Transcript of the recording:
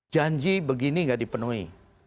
janji begini tidak dipenuhi